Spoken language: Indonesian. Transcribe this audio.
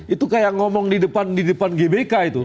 itu kayak ngomong di depan gbk itu